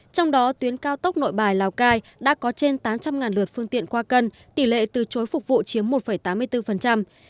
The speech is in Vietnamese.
trong đó tuyến cao tốc nội bài lào cai đã có trên tám trăm linh lượt phương tiện qua cân tỷ lệ từ chối phục vụ chiếm một tám mươi bốn